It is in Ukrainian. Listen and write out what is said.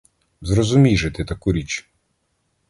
Зрозумій же ти таку річ!